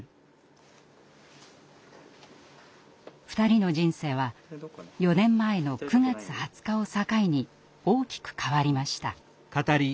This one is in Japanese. ２人の人生は４年前の９月２０日を境に大きく変わりました。